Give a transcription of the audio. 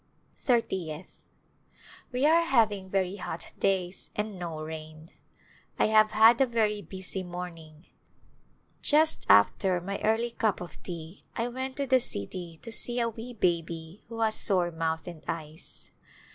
Thirtieth. We are having very hot days and no rain. I have had a very busy morning. Just after my early cup of [ 325] A Glimpse of India tea I went to the city to see a wee baby who has sore mouth and eyes.